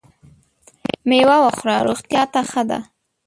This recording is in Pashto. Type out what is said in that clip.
مېوه وخوره ! روغتیا ته ښه ده .